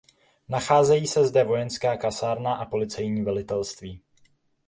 Nacházejí se zde vojenská kasárna a policejní velitelství.